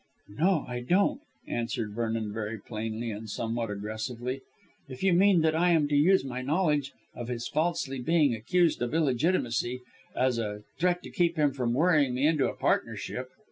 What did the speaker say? "No, I don't," answered Vernon very plainly and somewhat aggressively; "if you mean that I am to use my knowledge of his falsely being accused of illegitimacy as a threat to keep him from worrying me into a partnership."